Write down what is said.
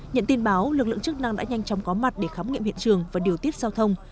nhận tin báo lực lượng chức năng đã nhanh chóng có mặt để khám nghiệm hiện trường và điều tiết giao thông